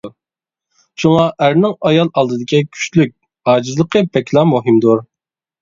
شۇڭا ئەرنىڭ ئايال ئالدىدىكى كۈچلۈك-ئاجىزلىقى بەكلا مۇھىمدۇر.